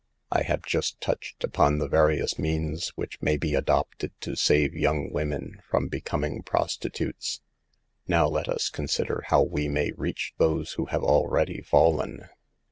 I have just touched upon the various means which may be adopted to save young women from becoming prostitutes ; now let us consider how we may reach those who* have already fallen.